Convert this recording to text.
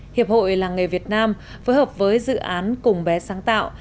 hiệp hội làng nghề việt nam phối hợp với dự án cùng bé sáng tạo